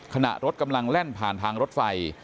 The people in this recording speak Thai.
ขณะรถกำลังแล่นผ่านทางรถไฟ